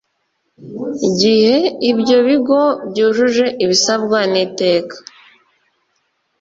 gihe ibyo bigo byujuje ibisabwa n iteka